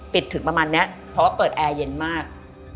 ถึงประมาณนี้เพราะว่าเปิดแอร์เย็นมาก